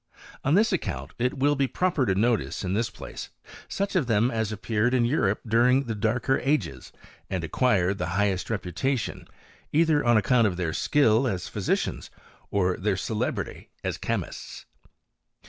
On this account it will be proper to notice, in this place, such of them as appeared in £urope during the darker ages, and acquired the . highest reputation either on account of their skill as physicians, or their celebrity as chemists.